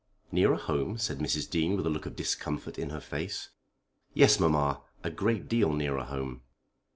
"Nearer home?" said Mrs. Dean with a look of discomfort in her face. "Yes, mamma. A great deal nearer home."